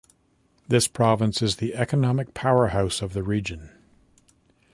This province is the economic powerhouse of the region.